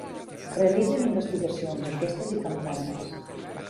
Realitzen investigacions, enquestes i campanyes.